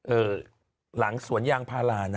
หลังสวนยางพารานะ